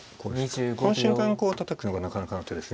この瞬間こうたたくのがなかなかの手ですね。